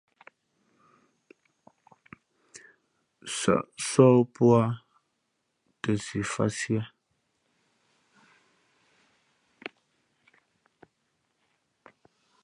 Sα̌ʼ sǒh pō ā ,tα nsi fāt siē.